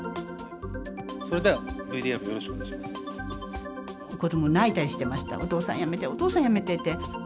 それではＶＴＲよろしくお願子ども、泣いたりしてました、お父さんやめて、お父さんやめてって。